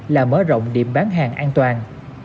là mở rộng điểm bán hàng an toàn